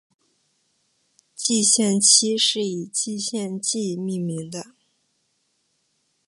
蓟县期是以蓟县纪命名的。